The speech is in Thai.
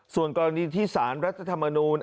ส่วนกรณีที่สารรัฐธรรมนูล